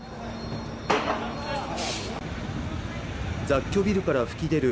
雑居ビルから噴き出る